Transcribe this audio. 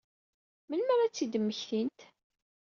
Melmi ara ad tt-id-mmektint?